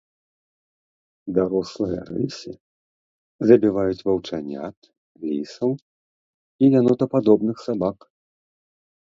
Дарослыя рысі забіваюць ваўчанят, лісаў і янотападобных сабак.